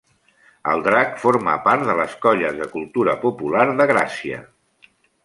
El Drac forma part de les Colles de Cultura Popular de Gràcia.